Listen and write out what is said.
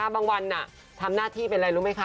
วันทำหน้าที่เป็นอะไรรู้ไหมคะ